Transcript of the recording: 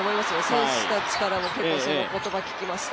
選手たちからも結構その言葉を聞きました。